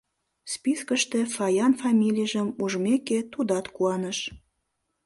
Спискыште Фаян фамилийжым ужмеке, тудат куаныш.